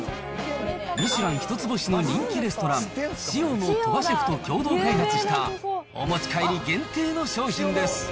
ミシュラン１つ星の人気レストラン、シオの鳥羽シェフと共同開発した、お持ち帰り限定の商品です。